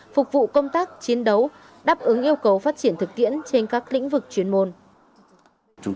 phục vụ công tác chiến đấu đáp ứng yêu cầu phát triển thực tiễn trên các lĩnh vực chuyên môn